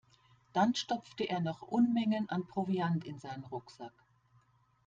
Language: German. Dann stopfte er noch Unmengen an Proviant in seinen Rucksack.